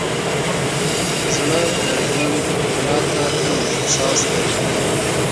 زړه د ژوند ښکلا ته تل احساس لري.